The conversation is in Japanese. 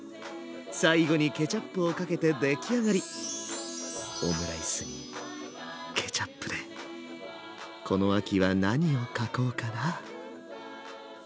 最後にケチャップをかけてできあがりオムライスにケチャップでこの秋は何を書こうかな？